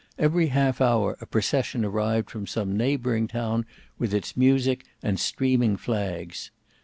Every half hour a procession arrived from some neighbouring town with its music and streaming flags.